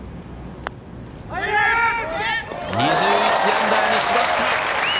２１アンダーにしました！